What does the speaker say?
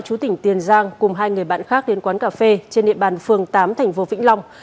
chú tỉnh tiền giang cùng hai người bạn khác đến quán cà phê trên địa bàn phường tám thành phố vĩnh long